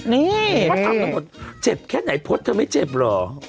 นี่นี่พอทำละหมดเจ็บแค่ไหนพดก็ไม่เจ็บหรอ